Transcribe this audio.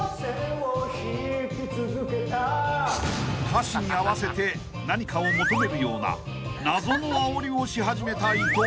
［歌詞に合わせて何かを求めるような謎のあおりをし始めた伊藤］